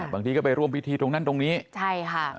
บางทีก็ไปร่วมพิธีตรงนั้นตรงนี้ใช่ค่ะ